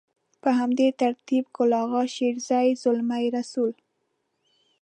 په همدې ترتيب ګل اغا شېرزي، زلمي رسول.